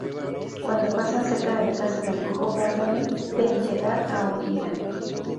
Cuando pasan cerca de la casa del brujo Gargamel, ven llegar a un gigante.